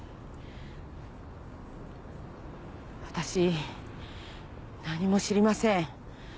私何も知りません。